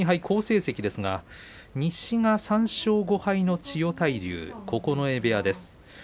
好成績ですが西が３勝５敗の千代大龍九重部屋です。